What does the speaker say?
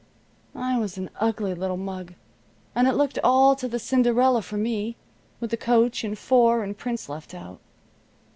I was an ugly little mug, and it looked all to the Cinderella for me, with the coach, and four, and prince left out.